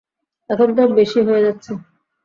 এখন তো বেশি হয়ে যাচ্ছে!